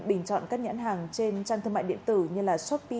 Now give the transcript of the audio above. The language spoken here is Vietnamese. bình chọn các nhãn hàng trên trang thương mại điện tử như shopee